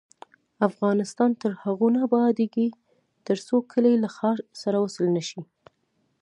افغانستان تر هغو نه ابادیږي، ترڅو کلي له ښار سره وصل نشي.